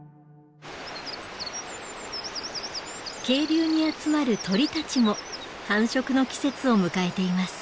渓流に集まる鳥たちも繁殖の季節を迎えています。